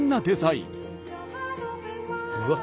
うわっ！